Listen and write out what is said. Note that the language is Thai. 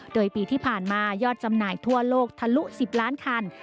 โดยปีที่ผ่านมายอดจำหน่ายทั่วโลกทะลุ๑๐ล้านคัน